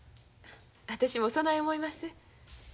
私もそない思います。